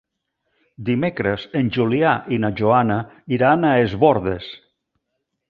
Dimecres en Julià i na Joana iran a Es Bòrdes.